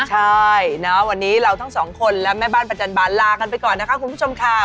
ใช่นะวันนี้เราทั้งสองคนและแม่บ้านประจันบาลลากันไปก่อนนะคะคุณผู้ชมค่ะ